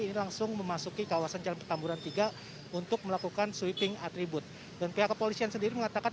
ini langsung memasuki kawasan jalan petamburan tiga untuk melakukan konferensi pers